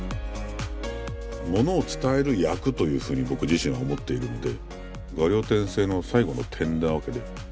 ものを伝える役というふうに僕自身は思っているので「画竜点睛」の最後の点なわけで。